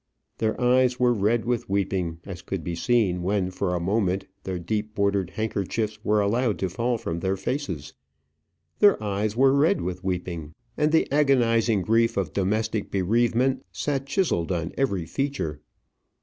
Their eyes were red with weeping, as could be seen when, for a moment, their deep bordered handkerchiefs were allowed to fall from their faces. Their eyes were red with weeping, and the agonizing grief of domestic bereavement sat chiselled on every feature.